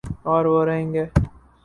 اوروہ رہیں گے